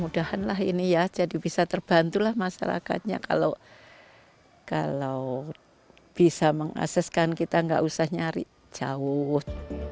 mudahan lah ini ya jadi bisa terbantulah masyarakatnya kalau bisa mengakseskan kita nggak usah nyari jauh